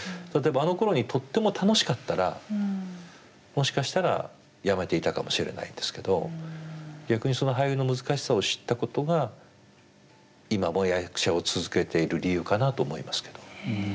例えばあのころにとっても楽しかったらもしかしたらやめていたかもしれないんですけど逆にその俳優の難しさを知ったことが今も役者を続けている理由かなと思いますけど。